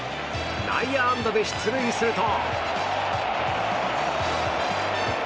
内野安打で出塁すると。